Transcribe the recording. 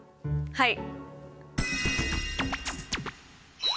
はい。